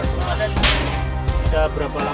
bisa berapa lama